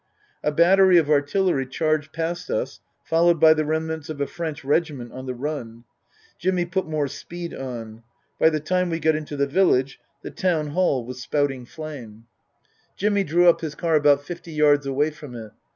A battery of artillery charged past us, followed by the remnants of a French regiment on the run. Jimmy put more speed on. By the time we got into the village the Town Hall was spouting flame. 21 322 Tasker Jevons Jimmy drew up his car about fifty yards away from it.